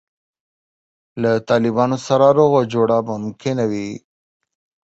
له طالبانو سره روغه جوړه ممکنه وي.